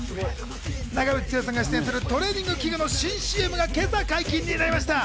長渕剛さんが出演するトレーニング器具の新ＣＭが今朝解禁になりました。